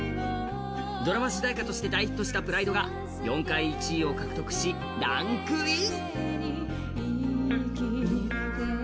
ドラマ主題歌として大ヒットした「ＰＲＩＤＥ」が４回１位を獲得しランクイン。